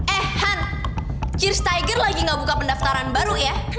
eh han geor stigger lagi gak buka pendaftaran baru ya